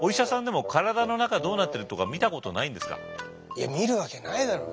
いや見るわけないだろう。